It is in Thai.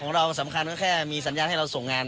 เราสำคัญก็แค่มีสัญญาณให้เราส่งงาน